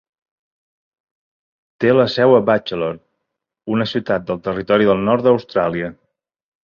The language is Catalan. Té la seu a Batchelor, una ciutat del Territori del Nord d'Austràlia.